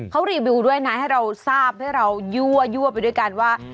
เขารีวิวด้วยนะให้เราทราบให้เรายั่วไปด้วยกันว่า